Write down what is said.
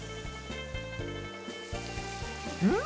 うん！